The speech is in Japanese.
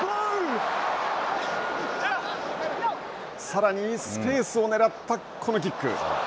さらにスペースを狙ったキック。